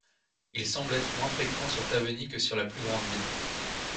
Il semble être moins fréquent sur Taveuni que sur la plus grande île.